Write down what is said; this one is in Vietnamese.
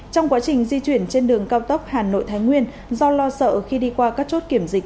trong quá trình di chuyển trên đường cao tốc hà nội thái nguyên do lo sợ khi đi qua các chốt kiểm dịch